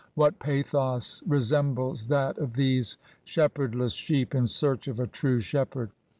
What pathos resembles that of these shepherdless sheep in search of a true shepherd?